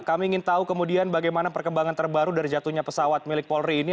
kami ingin tahu kemudian bagaimana perkembangan terbaru dari jatuhnya pesawat milik polri ini